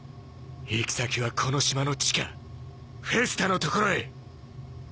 行き先はこの島の地下フェスタの所へ！